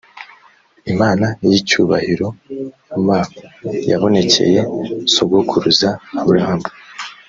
imana y icyubahirom yabonekeye sogokuruza aburahamu